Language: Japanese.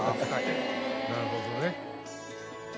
なるほどね。